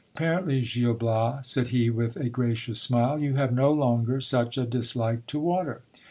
Apparently, Gil Bias, said he with a gracious smile, you have no longer such a dislike to water.